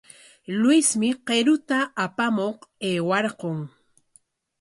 Luismi qiruta apamuq aywarqun.